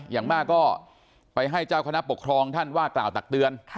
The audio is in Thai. อย่างมากก็ไปให้เจ้าคณะปกครองท่านว่ากล่าวตักเตือน